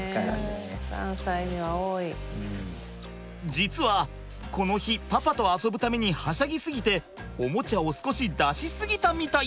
実はこの日パパと遊ぶためにはしゃぎすぎておもちゃを少し出し過ぎたみたい！